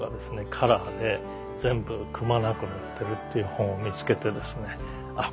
カラーで全部くまなく載ってるという本を見つけてですねあっ